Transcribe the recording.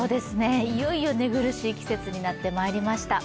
いよいよ寝苦しい季節になってまいりました。